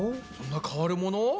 そんな変わるもの？